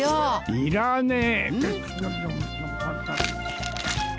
いらねえ。